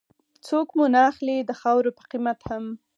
څوک مو نه اخلي د خاورو په قيمت هم